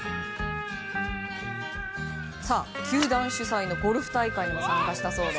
球団主催のゴルフ大会にも参加したそうで。